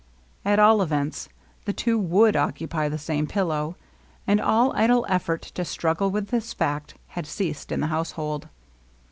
At all events, the two would occupy the same pillow, and all idle effort to struggle with this fact had ceased in the household.